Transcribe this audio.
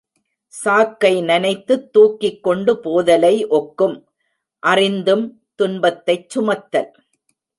சாக்கை நனைத்துத் தூக்கிக் கொண்டு போதலை ஒக்கும், அறிந்தும் துன்பத்தைச் சுமத்தல்.